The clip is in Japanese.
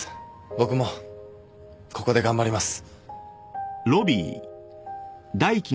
僕もここで頑張ります。